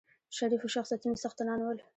شریفو شخصیتونو څښتنان ول.